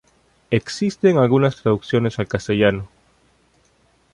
Existen algunas traducciones al castellano.